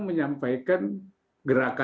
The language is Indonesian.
kita harus jelasin kita harus memiliki kebijakan